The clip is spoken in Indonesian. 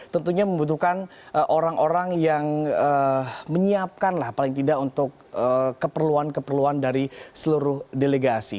tentunya membutuhkan orang orang yang menyiapkan lah paling tidak untuk keperluan keperluan dari seluruh delegasi